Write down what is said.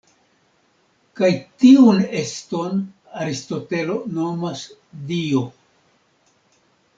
Kaj tiun eston Aristotelo nomas Dio.